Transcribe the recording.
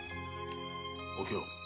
お京